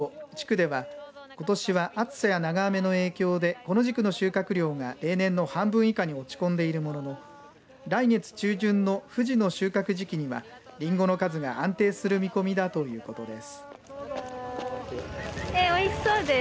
農家によりますと地区ではことしは暑さや長雨の影響でこの時期の収穫量が例年の半分以下に落ち込んでいるものの来月中旬の、ふじの収穫時期にはりんごの数が安定する見込みだということです。